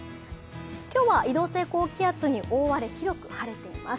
今日は移動性高気圧に覆われ、広く晴れています。